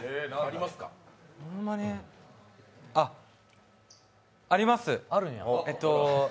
あっ、あります。